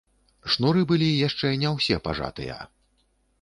Шнуры былі яшчэ не ўсе пажатыя.